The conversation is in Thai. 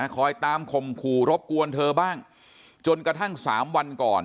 คอยตามข่นอย่างคู่รบกวนเธอบ้างจนกระทั่ง๓วันก่อน